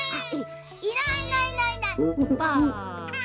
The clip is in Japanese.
「いないいないいないばあ」。